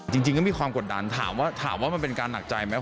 จริงก็มีความกดดันถามว่าถามว่ามันเป็นการหนักใจไหม